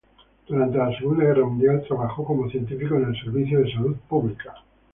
Durante la segunda guerra mundial, trabajó como científico en el servicio de salud pública.